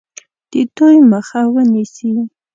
د دوی مخه ونیسي.